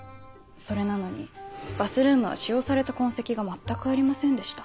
それなのにバスルームは使用された痕跡が全くありませんでした。